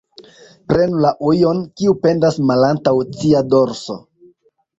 Prenu la ujon, kiu pendas malantaŭ cia dorso.